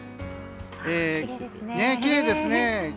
きれいですね。